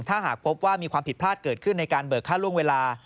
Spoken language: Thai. ถ้าหากพบว่ามีความผิดพลาดเกิดขึ้นในการเบิกค่าล่วงเวลา